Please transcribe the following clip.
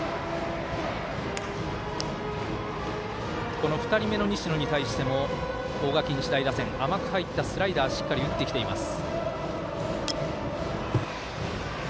この２人目の西野に対しても大垣日大打線甘く入ったスライダーをしっかり打ってきています。